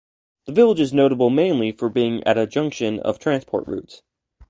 The village is notable mainly for being at a junction of transport routes.